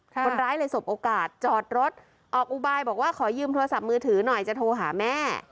คนร้ายเลยสบโอกาสจอดรถออกอุบายบอกว่าขอยืมโทรศัพท์มือถือหน่อยจะโทรหาแม่